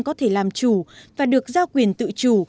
có thể làm chủ và được giao quyền tự chủ